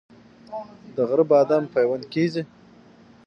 د غره بادام پیوند کیږي؟